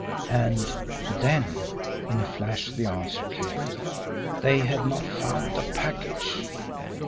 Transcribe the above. And then, in a flash, the answer came. THEY HAD NOT FOUND THE PACKAGE!